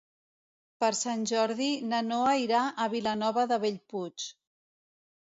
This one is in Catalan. Per Sant Jordi na Noa irà a Vilanova de Bellpuig.